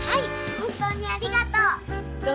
本当にありがとう！